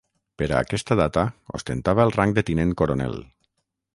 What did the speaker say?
Per a aquesta data ostentava el rang de tinent coronel.